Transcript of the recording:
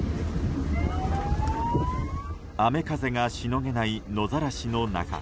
雨風のしのげない野ざらしの中